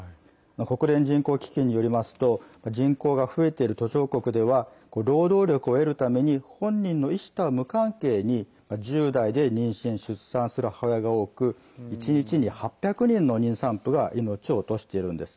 国連人口基金によりますと人口が増えている途上国では労働力を得るために本人の意思とは無関係に１０代で妊娠、出産する母親が多く１日に８００人の妊産婦が命を落としているんです。